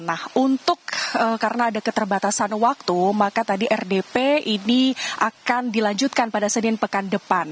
nah untuk karena ada keterbatasan waktu maka tadi rdp ini akan dilanjutkan pada senin pekan depan